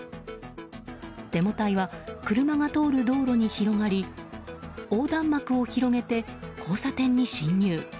デモ隊は車が通る道路に広がり横断幕を広げて交差点に進入。